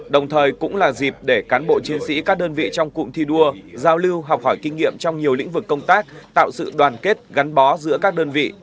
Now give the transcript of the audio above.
đồng thời cũng là dịp để cán bộ chiến sĩ các đơn vị trong cụm thi đua giao lưu học hỏi kinh nghiệm trong nhiều lĩnh vực công tác tạo sự đoàn kết gắn bó giữa các đơn vị